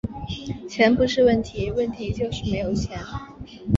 钱不是问题，问题就是没有钱